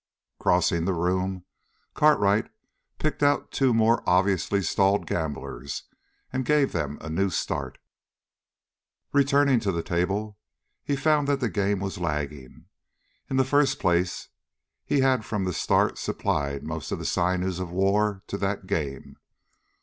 Crossing the room, Cartwright picked out two more obviously stalled gamblers and gave them a new start. Returning to the table, he found that the game was lagging. In the first place he had from the start supplied most of the sinews of war to that game.